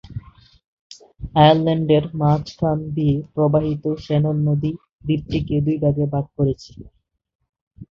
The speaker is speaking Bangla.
আয়ারল্যান্ডের মাঝখান দিয়ে প্রবাহিত শ্যানন নদী দ্বীপটিকে দুইভাগে ভাগ করেছে।